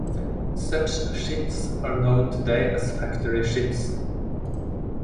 Such ships are known today as factory ships.